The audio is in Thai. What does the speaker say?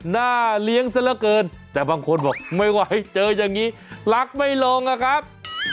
เลี้ยงซะละเกินแต่บางคนบอกไม่ไหวเจออย่างนี้รักไม่ลงอะครับ